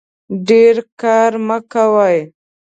ډیر کار مه کوئ